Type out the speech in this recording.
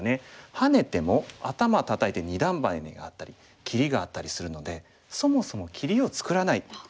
ハネても「アタマたたいて二段バネ」にあったり切りがあったりするのでそもそも切りを作らない。